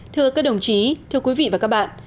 thưa các đồng chí thưa quý vị và các bạn